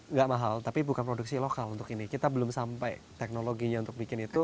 nggak mahal tapi bukan produksi lokal untuk ini kita belum sampai teknologinya untuk bikin itu